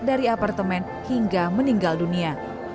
dari apartemen hingga meninggal dunia